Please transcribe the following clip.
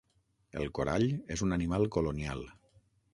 El corall és un animal colonial.